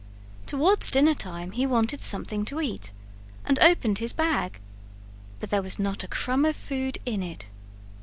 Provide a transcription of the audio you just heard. Toward dinner time he wanted something to eat and opened his bag. But there was not a crumb of food in it.